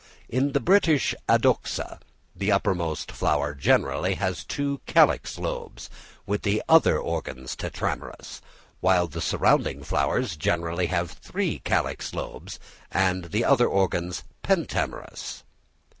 In the British Adoxa the uppermost flower generally has two calyx lobes with the other organs tetramerous, while the surrounding flowers generally have three calyx lobes with the other organs pentamerous.